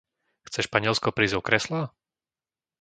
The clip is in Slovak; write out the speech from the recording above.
Chce Španielsko prísť o kreslá?